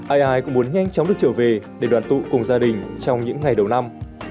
ai ai cũng muốn nhanh chóng được trở về để đoàn tụ cùng gia đình trong những ngày đầu năm